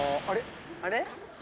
あれ？